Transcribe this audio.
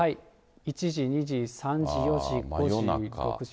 １時、２時、３時、４時、５時、６時。